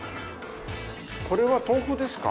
これは豆腐ですか？